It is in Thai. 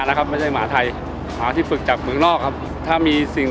นะครับไม่ใช่หมาไทยหมาที่ฝึกจากเมืองนอกครับถ้ามีสิ่ง